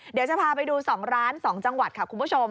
เดี๋ยวจะพาไปดู๒ร้าน๒จังหวัดค่ะคุณผู้ชม